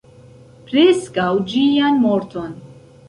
Preskaŭ ĝian morton.